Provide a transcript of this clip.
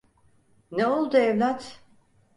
Ne oldu evlat?